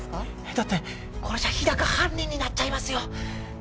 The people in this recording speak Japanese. だってこれじゃ日高犯人になっちゃいますよ